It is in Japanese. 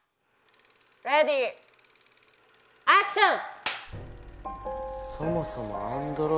レディーアクション！